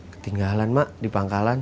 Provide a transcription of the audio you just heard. ketinggalan mak di pangkalan